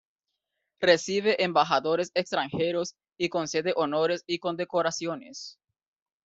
Recibe embajadores extranjeros y concede honores y condecoraciones.